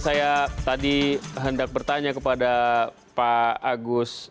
saya tadi hendak bertanya kepada pak agus